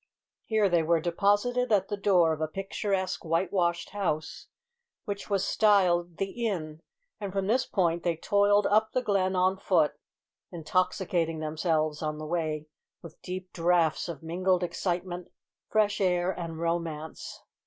Here they were deposited at the door of a picturesque white washed house, which was styled the Inn, and from this point they toiled up the glen on foot, intoxicating themselves on the way with deep draughts of mingled excitement, fresh air, and romance.